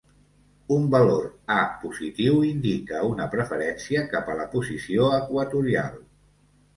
Un valor A positiu indica una preferència cap a la posició equatorial.